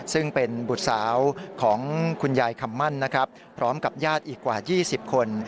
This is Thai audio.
ซึ่งเป็นบุตรสาวของคุณยายคำมั่นนะครับพร้อมกับญาติอีกกว่า๒๐คน